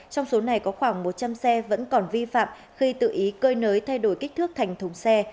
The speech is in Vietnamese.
trong số này có khoảng một trăm linh xe vẫn còn vi phạm khi tự ý cơi nới thay đổi kích thước thành thùng xe